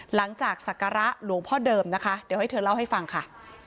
สักการะหลวงพ่อเดิมนะคะเดี๋ยวให้เธอเล่าให้ฟังค่ะ